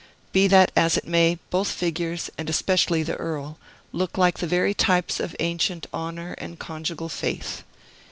Be that as it may, both figures, and especially the Earl, look like the very types of ancient Honor and Conjugal Faith.